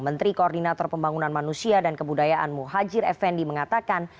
menteri koordinator pembangunan manusia dan kebudayaan muhajir effendi mengatakan